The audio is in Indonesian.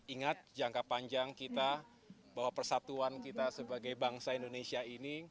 ingat jangka panjang kita bahwa persatuan kita sebagai bangsa indonesia ini